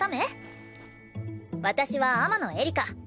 私は天野エリカ。